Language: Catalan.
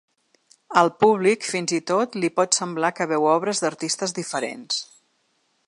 Al públic, fins i tot, li pot semblar que veu obres d’artistes diferents.